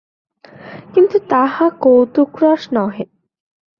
কিন্তু তাহা কৌতুকরস নহে।